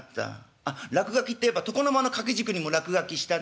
あっ落書きっていえば床の間の掛け軸にも落書きしたな。